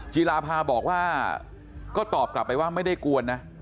จีราภาบอกว่าก็ตอบกลับไปว่าไม่ได้กวนนะ